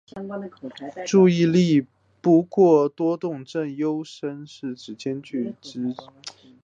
注意力不足过动症资优生是指同时兼具资赋优异及注意力不足过动症的人。